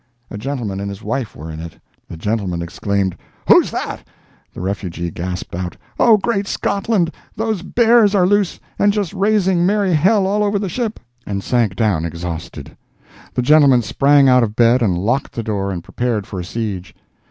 A gentleman and his wife were in it. The gentleman exclaimed, "Who's that?" The refugee gasped out, "O great Scotland! those bears are loose, and just raising merry hell all over the ship!" and sank down exhausted. The gentleman sprang out of bed and locked the door, and prepared for a siege.